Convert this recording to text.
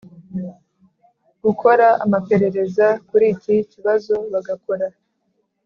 Gukora amaperereza kuri iki kibazo bagakora